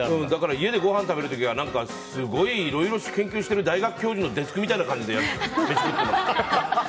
家でごはん食べる時はいろいろ研究してる大学教授のデスクみたいな感じで飯食ってます。